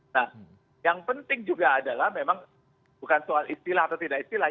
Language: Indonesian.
nah yang penting juga adalah memang bukan soal istilah atau tidak istilah